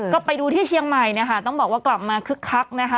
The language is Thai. ก็ไปดูที่เชียงใหม่เนี่ยค่ะต้องบอกว่ากลับมาคึกคักนะคะ